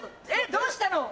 どうしたの？